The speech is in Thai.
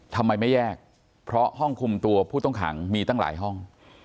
ทำไมไม่แยกเพราะห้องคุมตัวผู้ต้องขังมีตั้งหลายห้อง